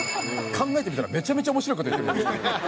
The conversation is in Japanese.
考えてみたらめちゃめちゃ面白い事言ってるんですね。